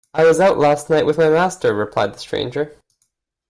‘I was out last night with my master,’ replied the stranger.